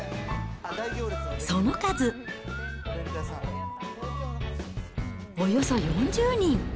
その数、およそ４０人。